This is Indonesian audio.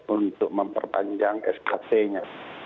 untuk memperpanjang skt nya